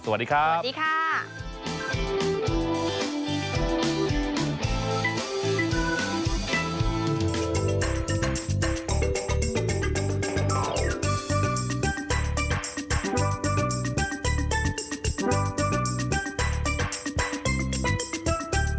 สวัสดีครับสวัสดีค่ะ